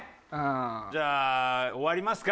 じゃあ終わりますか？